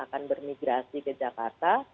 akan bermigrasi ke jakarta